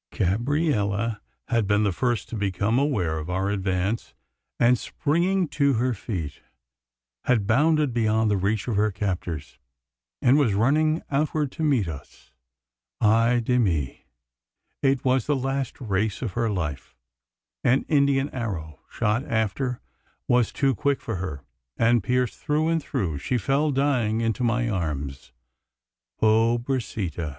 Gabriella had been the first to become aware of our advance; and, springing to her feet, had bounded beyond the reach of her captors, and was running outward to meet us. Ay de mi! it was the last race of her life. An Indian arrow shot after was too quick for her; and, pierced through and through, she fell dying into my arms. Pobrecita!